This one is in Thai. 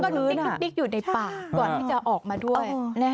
ดูติ๊กอยู่ในปากก่อนที่จะออกมาด้วย